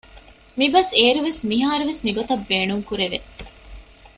މިބަސް އޭރު ވެސް މިހާރު ވެސް މިގޮތަށް ބޭނުންކުރެވެ